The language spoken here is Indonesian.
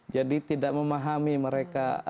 jadi tidak memahami mereka